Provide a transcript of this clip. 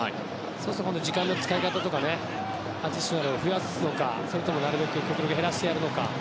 そうすると、今度は時間の使い方アディショナルを増やすのかそれともなるべく減らしていくのか。